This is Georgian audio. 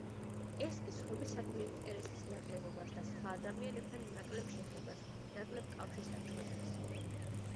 ეს კი სხვებისადმი ინტერესის ნაკლებობას და სხვა ადამიანებთან ნაკლებ შეხებას, ნაკლებ კავშირს აჩვენებს.